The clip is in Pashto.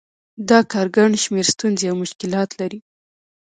دا کار ګڼ شمېر ستونزې او مشکلات لري